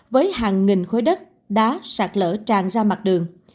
với hàng nghìn khối đất đá sạt lở tràn ra mặt đường